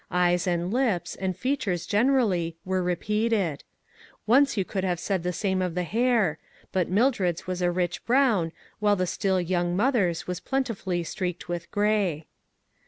Eyes and lips, and features generally, were repeated. Once you could have said the same of the hair, but Mildred's was a rich brown, while the still young mother's was plentifully streaked with gray.